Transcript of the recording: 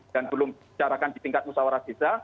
dan belum dicarakan di tingkat musawarah desa